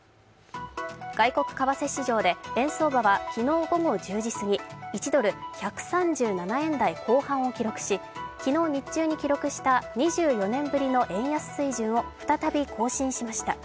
外国為替市場で円相場は昨日午後１０時すぎ１ドル＝１３７円台後半を記録し、昨日、日中に記録した２４年ぶりの円安水準を再び更新しました。